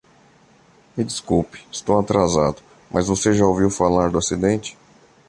Me desculpe, estou atrasado, mas você já ouviu falar do acidente?